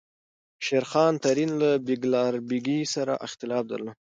شېرخان ترین له بیګلربیګي سره اختلاف درلود.